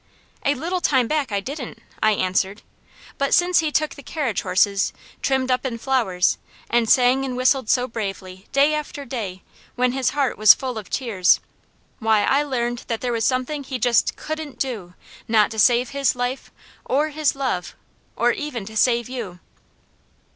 "A little time back, I didn't," I answered. "But since he took the carriage horses, trimmed up in flowers, and sang and whistled so bravely, day after day, when his heart was full of tears, why I learned that there was something he just COULDN'T DO; NOT TO SAVE HIS LIFE, OR HIS LOVE, OR EVEN TO SAVE YOU."